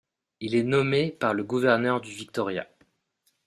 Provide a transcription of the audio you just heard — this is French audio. Il est nommé par le gouverneur du Victoria.